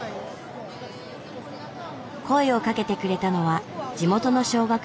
声をかけてくれたのは地元の小学６年生。